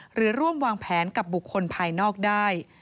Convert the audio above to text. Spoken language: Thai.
หรือร่วมวางแผนกับบุคคลภายนอกได้